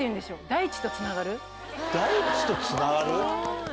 大地とつながる？